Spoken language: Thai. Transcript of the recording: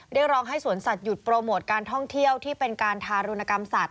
เรียกร้องให้สวนสัตวหยุดโปรโมทการท่องเที่ยวที่เป็นการทารุณกรรมสัตว